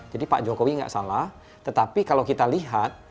jadi pak jokowi nggak salah tetapi kalau kita lihat